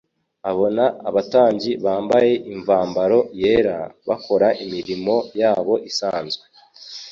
Abona abatambyi bambaye imvambaro yera, bakora imirimo yabo isanzwe.